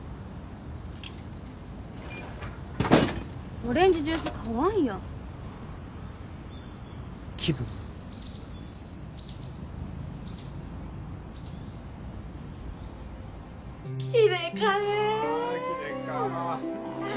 オレンジジュース買わんやん気分キレイかねえあ